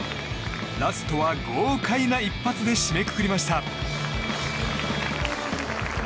ラストは豪快な一発で締めくくりました。